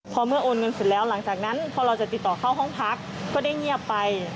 พอเมื่อโอนเงินเสร็จแล้วหลังจากนั้นพอเราจะติดต่อเข้าห้องพักก็ได้เงียบไป